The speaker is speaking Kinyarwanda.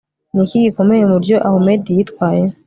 ni iki gikomeye mu buryo ahumed yitwaye